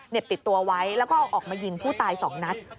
ติดตัวไว้แล้วก็เอาออกมายิงผู้ตายสองนัด